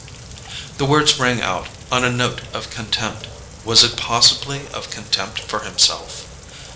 The words rang out on a note of contempt—was it possibly of contempt for himself?